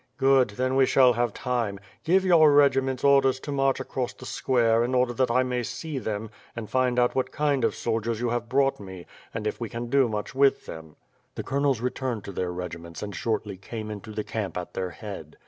"Good, then we shall have time. Give your regiments orders to march across the square, in order that I may see them and find out what kind of soldiers you have brought me and if we can do much with them." The colonels returned to their regiments and shortly came into the camp at their head.